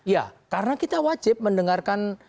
ya karena kita wajib mendengarkan